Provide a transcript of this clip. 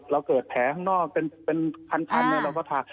เราเกิดแผลข้างนอกเป็นคันเนี่ยเราก็ถา